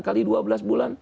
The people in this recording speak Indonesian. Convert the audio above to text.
kali dua belas bulan